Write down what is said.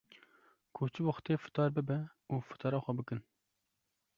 ku çi wextê fitar bibe û fitara xwe bikin.